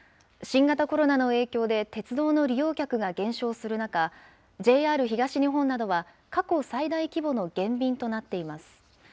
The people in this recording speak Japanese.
新型コロナの影響で鉄道の利用客が減少する中、ＪＲ東日本などは、過去最大規模の減便となっています。